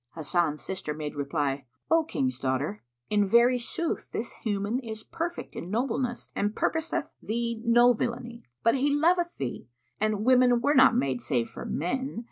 Hasan's sister made reply, "O King's daughter, in very sooth this human is perfect in nobleness and purposeth thee no villainy; but he loveth thee, and women were not made save for men.